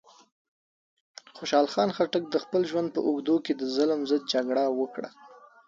خوشحال خان خټک د خپل ژوند په اوږدو کې د ظلم ضد جګړه وکړه.